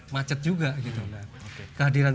macet juga kehadiran